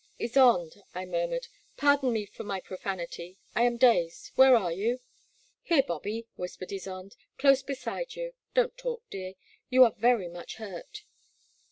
*'Ysonde," I murmured, pardon me for my profanity — I am dazed — ^where are you ?"Here, Bobby,'* whispered Ysonde —close beside you; don't talk, dear, you are very much hurt.